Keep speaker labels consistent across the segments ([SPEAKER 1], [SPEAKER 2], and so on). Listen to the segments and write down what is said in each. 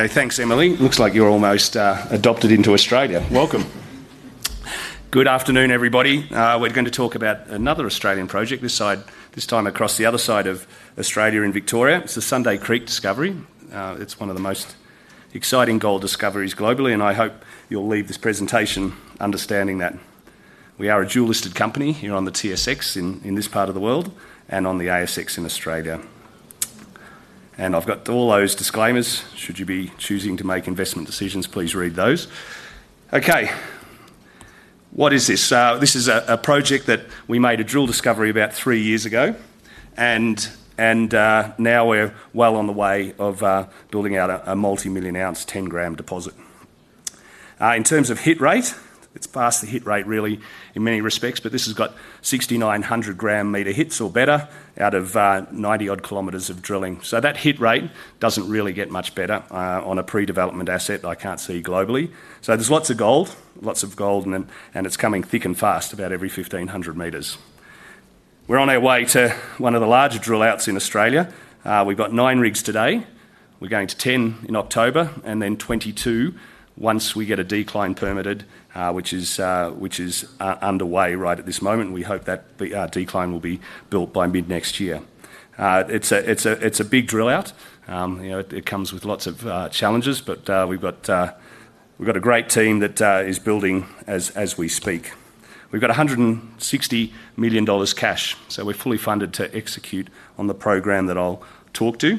[SPEAKER 1] Okay, thanks, Emily. Looks like you're almost adopted into Australia. Welcome. Good afternoon, everybody. We're going to talk about another Australian project, this time across the other side of Australia in Victoria. It's the Sunday Creek Project. It's one of the most exciting gold discoveries globally, and I hope you'll leave this presentation understanding that we are a dual-listed company here on the TSX in this part of the world and on the ASX in Australia. I've got all those disclaimers. Should you be choosing to make investment decisions, please read those. What is this? This is a project that we made a drill discovery about three years ago, and now we're well on the way of building out a multi-million ounce, 10 g/t deposit. In terms of hit rate, it's past the hit rate, really, in many respects, but this has got 6,900 gram metre hits or better out of 90 odd kilometers of drilling. That hit rate doesn't really get much better on a pre-development asset that I can't see globally. There's lots of gold, lots of gold, and it's coming thick and fast about every 1,500 metres. We're on our way to one of the larger drill outs in Australia. We've got nine rigs today. We're going to 10 in October and then 22 once we get a decline permitted, which is underway right at this moment. We hope that decline will be built by mid next year. It's a big drill out. It comes with lots of challenges, but we've got a great team that is building as we speak. We've got $160 million cash, so we're fully funded to execute on the program that I'll talk to.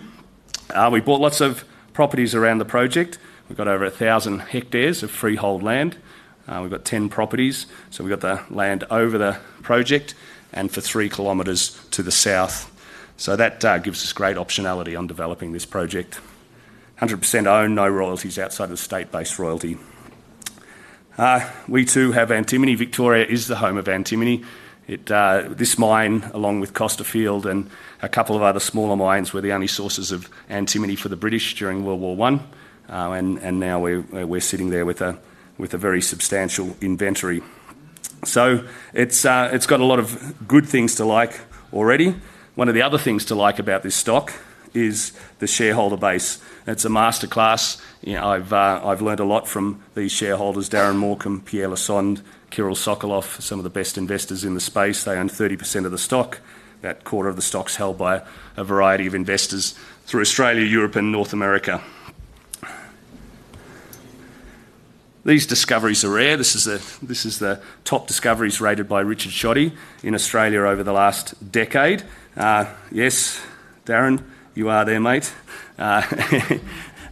[SPEAKER 1] We bought lots of properties around the project. We've got over 1,000 hectares of freehold land. We've got 10 properties, so we've got the land over the project and for three kilometers to the south. That gives us great optionality on developing this project. 100% owned, no royalties outside of the state-based royalty. We too have antimony. Victoria is the home of antimony. This mine, along with Costafield and a couple of other smaller mines, were the only sources of antimony for the British during World War I, and now we're sitting there with a very substantial inventory. It's got a lot of good things to like already. One of the other things to like about this stock is the shareholder base. It's a masterclass. I've learned a lot from these shareholders, Darren Morcom, Pierre Lassonde, Kirill Sokolov, some of the best investors in the space. They own 30% of the stock. That quarter of the stock's held by a variety of investors through Australia, Europe, and North America. These discoveries are rare. This is the top discoveries rated by Richard Shoddy in Australia over the last decade. Yes, Darren, you are there, mate.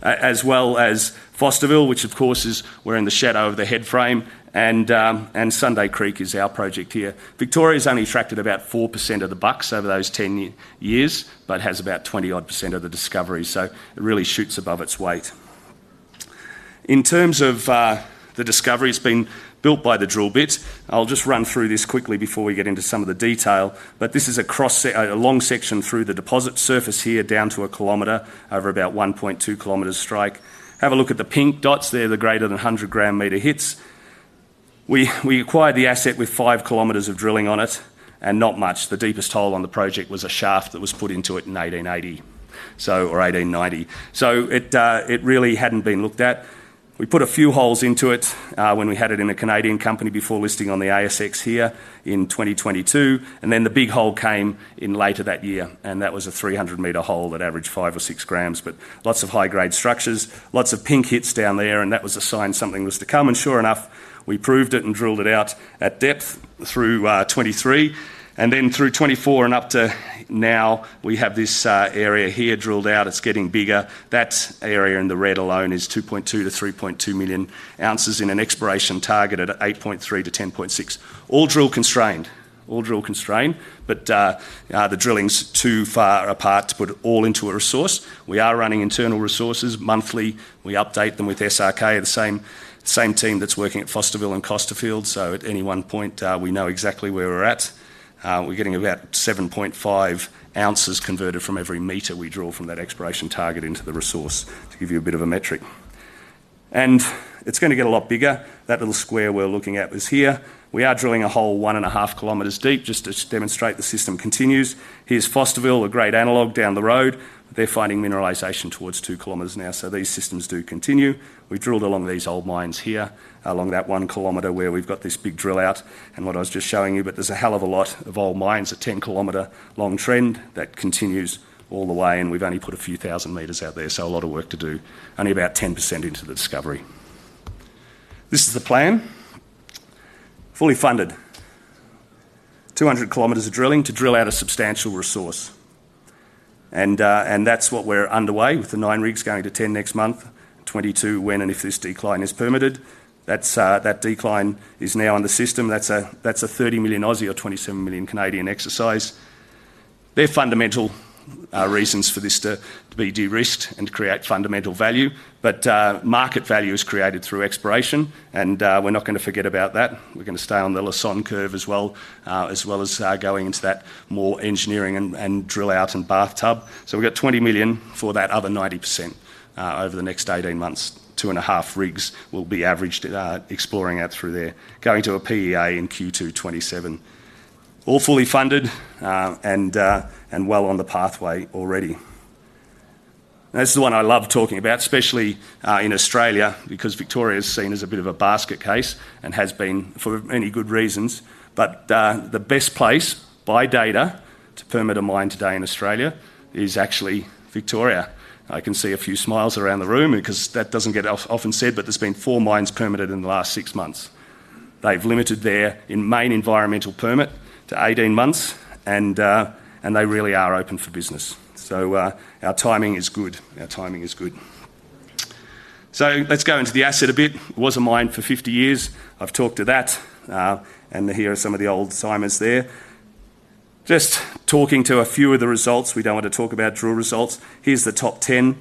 [SPEAKER 1] As well as Fosterville, which of course is we're in the shadow of the head frame, and Sunday Creek is our project here. Victoria's only attracted about 4% of the bucks over those 10 years, but has about 20% of the discovery, so it really shoots above its weight. In terms of the discovery's been built by the drill bit. I'll just run through this quickly before we get into some of the detail, but this is a cross, a long section through the deposit surface here down to a kilometer over about 1.2 kilometers strike. Have a look at the pink dots there, the greater than 100 gram meter hits. We acquired the asset with five kilometers of drilling on it and not much. The deepest hole on the project was a shaft that was put into it in 1880 or 1890. It really hadn't been looked at. We put a few holes into it when we had it in a Canadian company before listing on the ASX here in 2022, and then the big hole came in later that year, and that was a 300 meter hole that averaged five or six grams, but lots of high-grade structures, lots of pink hits down there, and that was a sign something was to come. Sure enough, we proved it and drilled it out at depth through 2023, and then through 2024 and up to now, we have this area here drilled out. It's getting bigger. That area in the red alone is 2.2 to 3.2 million ounces in an exploration targeted at 8.3 to 10.6, all drill constrained. All drill constrained, but the drilling's too far apart to put it all into a resource. We are running internal resources monthly. We update them with SRK Consulting, the same team that's working at Fosterville and Costafield. At any one point, we know exactly where we're at. We're getting about 7.5 ounces converted from every meter we draw from that exploration target into the resource to give you a bit of a metric. It's going to get a lot bigger. That little square we're looking at was here. We are drilling a hole one and a half kilometers deep just to demonstrate the system continues. Here's Fosterville, a great analogue down the road. They're fighting mineralization towards two kilometers now. These systems do continue. We drilled along these old mines here, along that one kilometer where we've got this big drill out and what I was just showing you, but there's a hell of a lot of old mines, a 10 kilometer long trend that continues all the way, and we've only put a few thousand meters out there. A lot of work to do, only about 10% into the discovery. This is the plan. Fully funded. 200 kilometers of drilling to drill out a substantial resource. That's what we're underway with, the nine rigs going to 10 next month, 22 when and if this decline is permitted. That decline is now on the system. That's a $30 million Aussie or $27 million Canadian exercise. There are fundamental reasons for this to be de-risked and to create fundamental value, but market value is created through exploration, and we're not going to forget about that. We're going to stay on the Lassonde curve as well, as well as going into that more engineering and drill out and bathtub. We've got $20 million for that other 90% over the next 18 months. Two and a half rigs will be averaged exploring out through there, going to a PEA in Q2 2027. All fully funded and well on the pathway already. This is the one I love talking about, especially in Australia because Victoria is seen as a bit of a basket case and has been for many good reasons. The best place by data to permit a mine today in Australia is actually Victoria. I can see a few smiles around the room because that doesn't get often said, but there have been four mines permitted in the last six months. They've limited their main environmental permit to 18 months, and they really are open for business. Our timing is good. Our timing is good. Let's go into the asset a bit. It was a mine for 50 years. I've talked to that, and here are some of the old timers there. Just talking to a few of the results. We don't want to talk about drill results. Here's the top 10.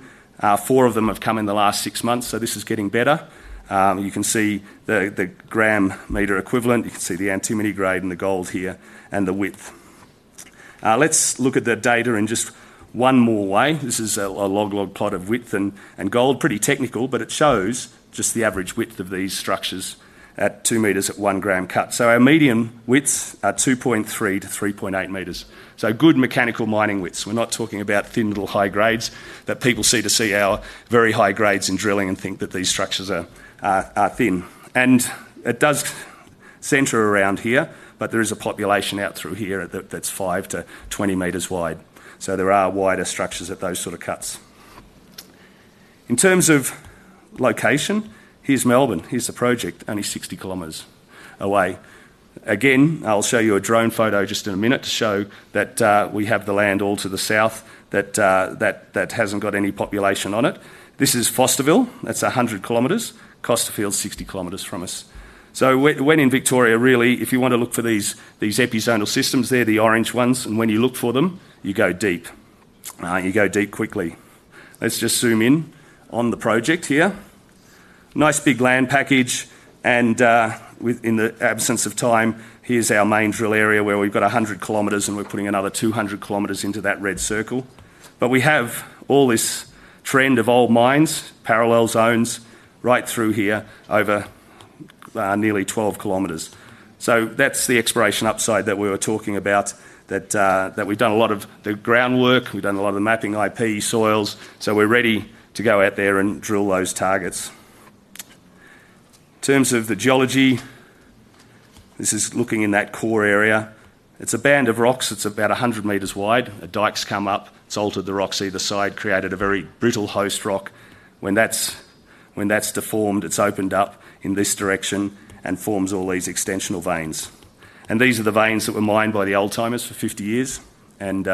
[SPEAKER 1] Four of them have come in the last six months, so this is getting better. You can see the gram meter equivalent. You can see the antimony grade in the gold here and the width. Let's look at the data in just one more way. This is a log log plot of width and gold. Pretty technical, but it shows just the average width of these structures at two meters at one gram cut. Our medium widths are 2.3 to 3.8 meters. Good mechanical mining widths. We're not talking about thin little high grades, but people seem to see our very high grades in drilling and think that these structures are thin. It does center around here, but there is a population out through here that's 5 to 20 meters wide. There are wider structures at those sort of cuts. In terms of location, here's Melbourne. Here's the project, only 60 kilometers away. I'll show you a drone photo in a minute to show that we have the land all to the south that hasn't got any population on it. This is Fosterville. That's 100 kilometers. Costafield's 60 kilometers from us. In Victoria, really, if you want to look for these episodal systems, they're the orange ones, and when you look for them, you go deep. You go deep quickly. Let's zoom in on the project here. Nice big land package. In the absence of time, here's our main drill area where we've got 100 kilometers, and we're putting another 200 kilometers into that red circle. We have all this trend of old mines, parallel zones right through here over nearly 12 kilometers. That's the exploration upside that we were talking about, that we've done a lot of the groundwork. We've done a lot of the mapping, IP, soils. We're ready to go out there and drill those targets. In terms of the geology, this is looking in that core area. It's a band of rocks about 100 meters wide. A dike's come up. It's altered the rocks either side, created a very brittle host rock. When that's deformed, it's opened up in this direction and forms all these extensional veins. These are the veins that were mined by the old timers for 50 years, and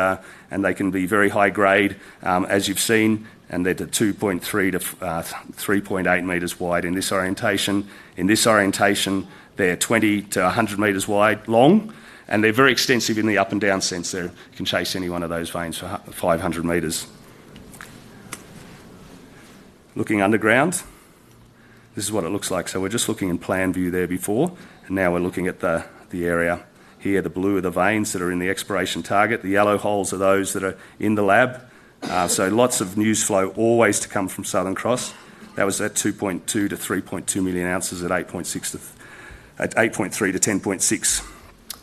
[SPEAKER 1] they can be very high grade, as you've seen. They're 2.3 to 3.8 meters wide in this orientation. In this orientation, they're 20 to 100 meters long, and they're very extensive in the up and down sense. They can chase any one of those veins for 500 meters. Looking underground, this is what it looks like. We were just looking in plan view there before, and now we're looking at the area here. The blue are the veins that are in the exploration target. The yellow holes are those that are in the lab. Lots of news flow always to come from Southern Cross Gold Ltd. That was at 2.2 to 3.2 million ounces at 8.3 to 10.6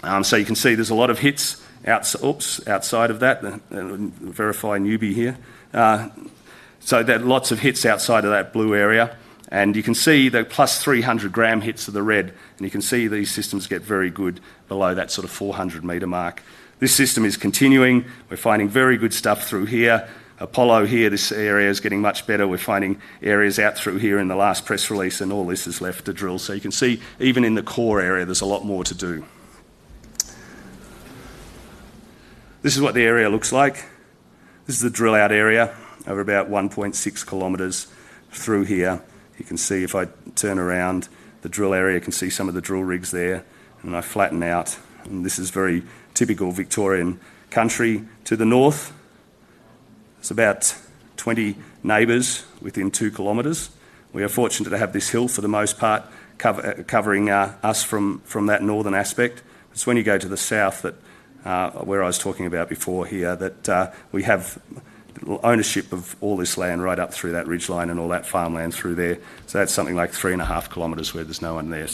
[SPEAKER 1] g/t. You can see there's a lot of hits outside of that. The verifying newbie here. There are lots of hits outside of that blue area, and you can see the plus 300 gram hits of the red, and you can see these systems get very good below that sort of 400 meter mark. This system is continuing. We're finding very good stuff through here. Apollo here, this area is getting much better. We're finding areas out through here in the last press release, and all this is left to drill. You can see even in the core area, there's a lot more to do. This is what the area looks like. This is the drill out area over about 1.6 kilometers through here. You can see if I turn around the drill area, you can see some of the drill rigs there, and I flatten out. This is very typical Victorian country to the north. It's about 20 neighbors within two kilometers. We are fortunate to have this hill for the most part covering us from that northern aspect. It's when you go to the south where I was talking about before here that we have ownership of all this land right up through that ridgeline and all that farmland through there. That's something like 3.5 kilometers where there's no one there.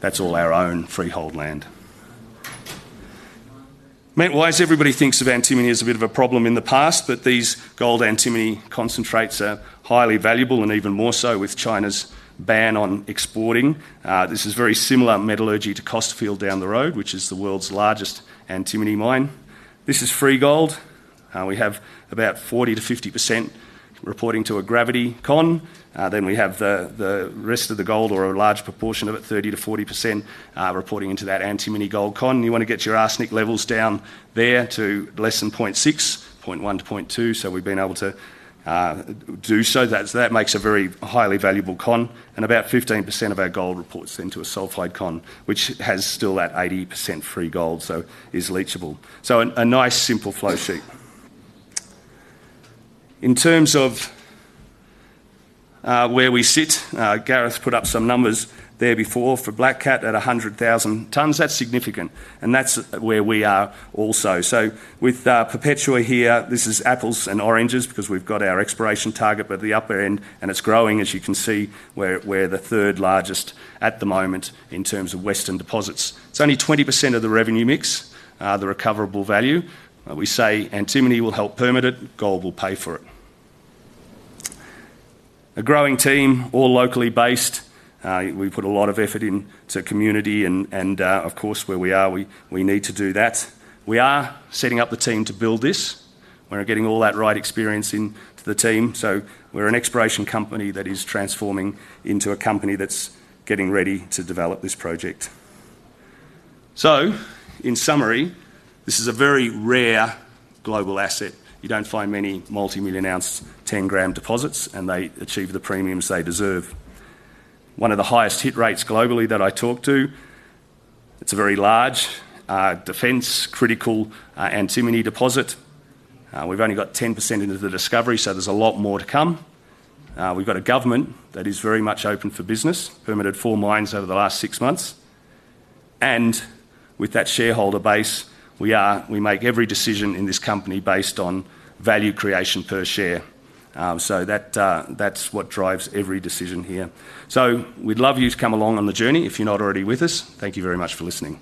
[SPEAKER 1] That's all our own freehold land. Meanwhile, everybody thinks of antimony as a bit of a problem in the past, but these gold antimony concentrates are highly valuable and even more so with China's ban on exporting. This is very similar metallurgy to Costfield down the road, which is the world's largest antimony mine. This is free gold. We have about 40% to 50% reporting to a gravity cone. Then we have the rest of the gold or a large proportion of it, 30% to 40% reporting into that antimony gold cone. You want to get your arsenic levels down there to less than 0.6, 0.1 to 0.2. We've been able to do so. That makes a very highly valuable cone, and about 15% of our gold reports into a sulfide cone, which has still that 80% free gold, so is leachable. A nice simple flow sheet. In terms of where we sit, Gareth put up some numbers there before for Black Cat at 100,000 tonnes. That's significant, and that's where we are also. With Perpetua here, this is apples and oranges because we've got our exploration target by the upper end, and it's growing. As you can see, we're the third largest at the moment in terms of Western deposits. It's only 20% of the revenue mix, the recoverable value. We say antimony will help permit it. Gold will pay for it. A growing team, all locally based. We put a lot of effort into community, and of course, where we are, we need to do that. We are setting up the team to build this. We're getting all that right experience into the team. We're an exploration company that is transforming into a company that's getting ready to develop this project. In summary, this is a very rare global asset. You don't find many multi-million ounce, 10 g/t deposits, and they achieve the premiums they deserve. One of the highest hit rates globally that I talk to, it's a very large defense-critical antimony deposit. We've only got 10% into the discovery, so there's a lot more to come. We have a government that is very much open for business, permitted four mines over the last six months. With that shareholder base, we make every decision in this company based on value creation per share. That's what drives every decision here. We'd love you to come along on the journey if you're not already with us. Thank you very much for listening.